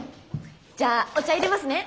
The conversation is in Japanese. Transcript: じゃあお茶いれますね。